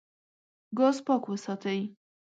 ګاز پاک وساتئ.